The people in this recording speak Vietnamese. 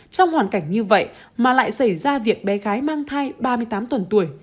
trong hoàn cảnh như vậy mà lại xảy ra việc bé gái mang thai ba mươi tám tuần tuổi